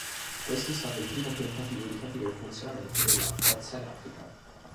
Questo è stato il primo tentativo di capire il funzionamento della "forza elettrica".